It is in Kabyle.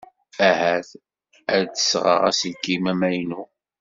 Ahat ad d-sɣeɣ aselkim amaynu.